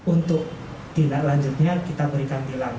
untuk tindak lanjutnya kita berikan tilang